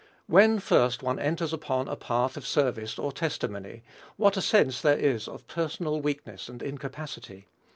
When first one enters upon a path of service or testimony, what a sense there is of personal weakness and incapacity!